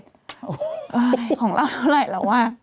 โอ้โฮของเราเท่าไรหรือว่า